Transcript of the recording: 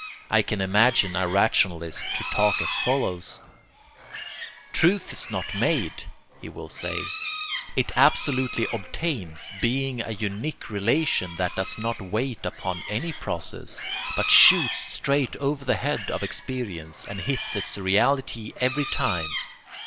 I can imagine a rationalist to talk as follows: "Truth is not made," he will say; "it absolutely obtains, being a unique relation that does not wait upon any process, but shoots straight over the head of experience, and hits its reality every time.